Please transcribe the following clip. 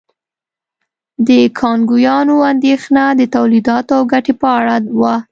د کانګویانو اندېښنه د تولیداتو او ګټې په اړه وه.